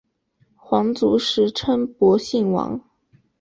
皇族时称博信王。